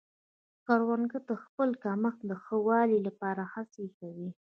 کروندګر د خپل کښت د ښه والي لپاره هڅې کوي